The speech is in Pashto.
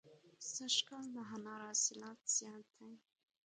سږ کال د انارو حاصلات زیات دي.